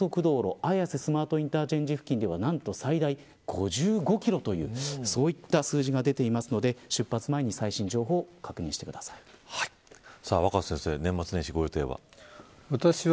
綾瀬スマートインターチェンジ付近では何と最大５５キロという数字が出ているので出発前に最新情報を若狭先生、年末年始ご予定は。